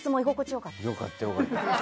良かった、良かった。